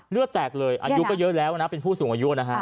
เลือดแตกเลยอายุก็เยอะแล้วนะเป็นผู้สูงอายุนะฮะ